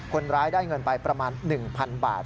คนร้ายได้เงินไปประมาณ๑๐๐๐บาท